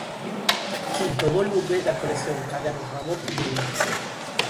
Quinto volume da colección Cadernos Ramón Piñeiro.